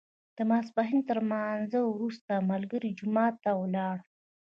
د ماسپښین تر لمانځه وروسته ملګري جومات ته ولاړل.